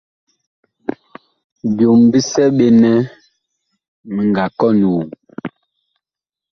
Byom bisɛ ɓe nɛ mi nga kɔn woŋ.